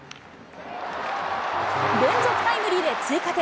連続タイムリーで追加点。